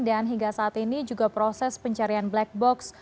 dan hingga saat ini juga proses pencarian black box